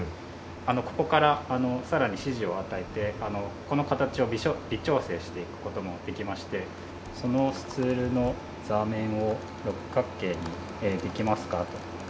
ここからさらに指示を与えてこの形を微調整していく事もできまして「そのスツールの座面を六角形にできますか？」と。